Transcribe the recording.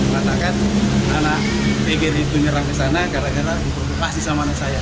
katakan anak deger itu nyerang ke sana karena karena diperlukan sama anak saya